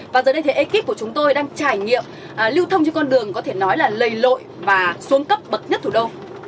và giờ đây thấy ekip của chúng tôi đang trải nghiệm lưu thông trên con đường có thể nói là lầy lội và xuống cấp bậc nhất thủ đô